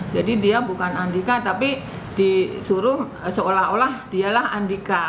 dia bukan andika tapi disuruh seolah olah dialah andika